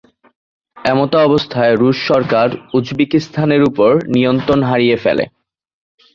এমতাবস্থায় রুশ সরকার উজবেকিস্তানের ওপর নিয়ন্ত্রণ হারিয়ে ফেলে।